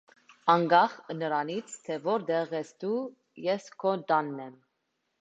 Անկախ նրանից, թե որտեղ ես դու, ես քո տանն եմ։